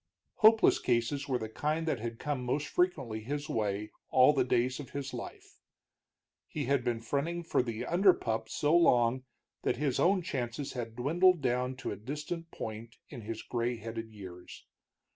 Hopeless cases were the kind that had come most frequently his way all the days of his life. He had been fronting for the under pup so long that his own chances had dwindled down to a distant point in his gray headed years.